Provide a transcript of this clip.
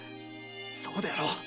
そうであろう。